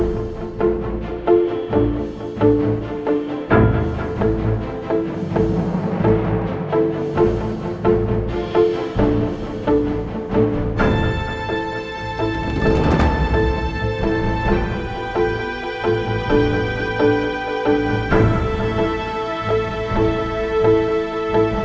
saya sudah sendirian